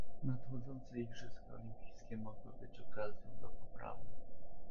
Nadchodzące igrzyska olimpijskie mogły być okazją do poprawy